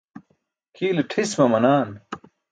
kʰiile ṭhis mamanaan